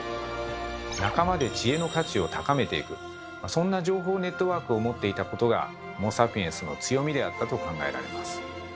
仲間で知恵の価値を高めていくそんな情報ネットワークを持っていたことがホモ・サピエンスの強みであったと考えられます